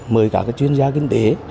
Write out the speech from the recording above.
mời các chuyên gia kinh tế